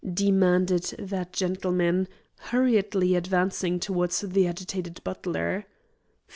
demanded that gentleman, hurriedly advancing towards the agitated butler.